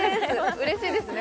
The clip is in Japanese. うれしいですね